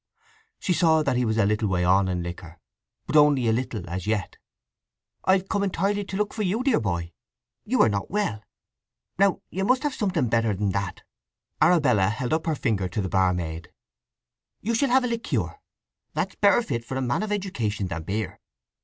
She saw that he was a little way on in liquor, but only a little as yet. "I've come entirely to look for you, dear boy. You are not well. Now you must have something better than that." Arabella held up her finger to the barmaid. "You shall have a liqueur—that's better fit for a man of education than beer.